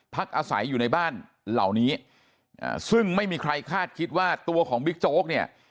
พักอาศัยอยู่ในบ้านเหล่านี้ซึ่งไม่มีใครคาดคิดว่าตัวของบิ๊กโจ๊กเนี่ย